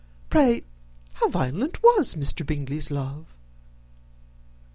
Pray, how violent was Mr. Bingley's love?"